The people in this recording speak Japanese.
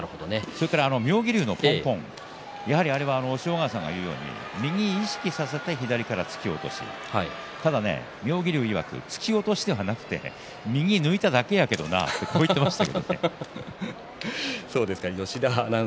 妙義龍のぽんぽんですが押尾川さんが言うように右を意識させて左からの突き落とし妙義龍いわく突き落としではなくて右を抜いただけだけどなと言っていました。